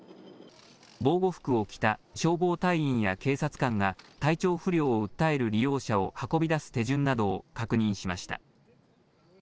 防護服を着た消防隊員や警察官が、体調不良を訴える利用者を運び出す手順などを確認しました。